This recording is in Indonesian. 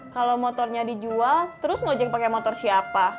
kalau motornya dijual terus ngojek pakai motor siapa